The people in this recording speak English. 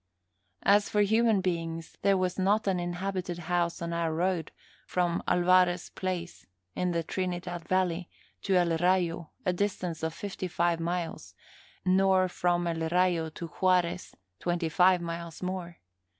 As for human beings, there was not an inhabited house on our road from Alvarez Place, in the Trinidad Valley, to El Rayo, a distance of fifty five miles; nor from El Rayo to Juarez, twenty five miles more.